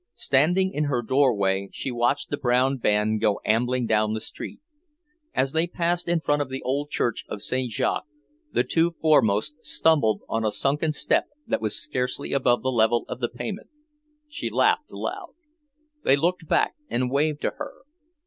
Standing in her doorway, she watched the brown band go ambling down the street; as they passed in front of the old church of St. Jacques, the two foremost stumbled on a sunken step that was scarcely above the level of the pavement. She laughed aloud. They looked back and waved to her.